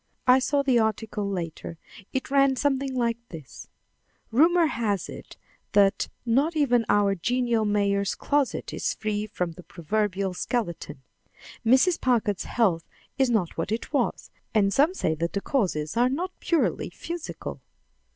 I saw the article later. It ran something like this: "Rumor has it that not even our genial mayor's closet is free from the proverbial skeleton. Mrs. Packard's health is not what it was, and some say that the causes are not purely physical."